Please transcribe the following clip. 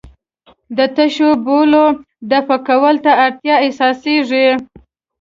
د تشو بولو دفع کولو ته اړتیا احساسېږي.